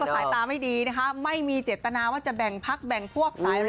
สายตาไม่ดีนะคะไม่มีเจตนาว่าจะแบ่งพักแบ่งพวกสาย